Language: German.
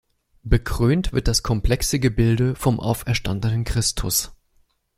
Bekrönt wird das komplexe Gebilde vom auferstandenen Christus.